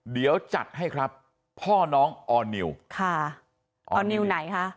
เดี๋ยวจัดให้ครับพ่อน้องออร์นิวค่ะออร์นิวไหนคะ